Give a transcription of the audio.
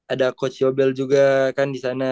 ada coach yobel juga kan di sana